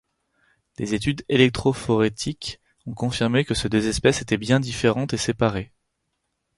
Des études électrophorétiques ont confirmé que ces deux espèces étaient bien différentes et séparées.